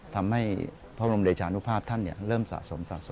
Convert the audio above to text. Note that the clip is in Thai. ทำให้พระมหาวุประหลาดชานุภาพท่านเริ่มสะสม